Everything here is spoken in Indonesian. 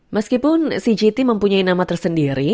meskipun cgt mempunyai nama tersendiri